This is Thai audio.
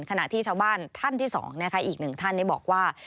ขณะที่ชาวบ้านท่านที่๒นะคะอีกหนึ่งท่านบอกว่า